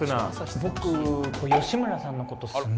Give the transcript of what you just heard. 僕吉村さんのこと。